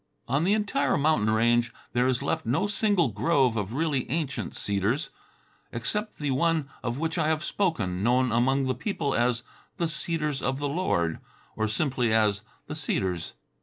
On the entire mountain range there is left no single grove of really ancient cedars, except the one of which I have spoken, known among the people as the "Cedars of the Lord" or simply as "The Cedars."